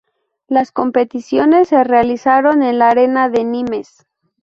Las competiciones se realizaron en la Arena de Nimes.